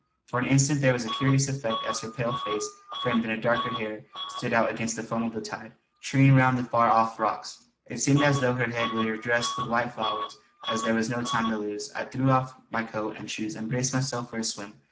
For an instant there was a curious effect as her pale face framed in dark hair stood out against the foam of the tide churning round the far off rocks. It seemed as though her head were dressed with white flowers. As there was no time to lose, I threw off my coat and shoes and braced myself for a swim.